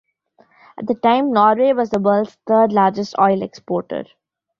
At the time Norway was the world's third largest oil exporter.